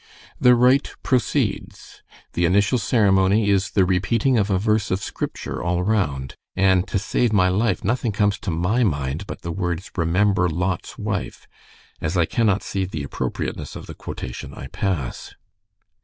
"The rite proceeds. The initial ceremony is the repeating of a verse of Scripture all round, and to save my life nothing comes to my mind but the words, 'Remember Lot's wife.' As I cannot see the appropriateness of the quotation, I pass.